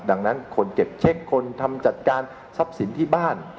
ดังนั้นคนเก็บเช็คคนทำจัดการทรัพย์สินที่บ้าน